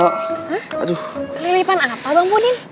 hah kelipan apa bang pudin